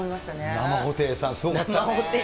生布袋さん、すごかった？